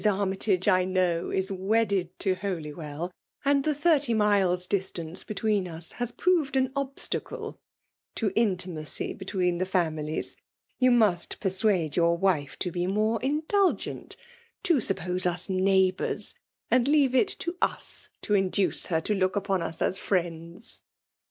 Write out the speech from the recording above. Annytage, I know, is wedded to Holywell, and the thirty miles* distance be tween us has proved an obstacle to intimacy b^ween the families. You must persuade your wife to be more indulgent, — to suppose us neighbours ; and leave it to us to induce her to look upon us as friends."